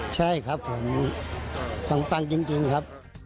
ใช่ครับผมปังจริงครับ